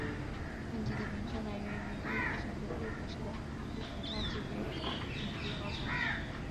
问题的名称来源于如何选择最合适的物品放置于给定背包中。